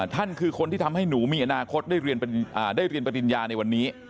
คือคนที่ทำให้หนูมีอนาคตได้เรียนปริญญาในวันนี้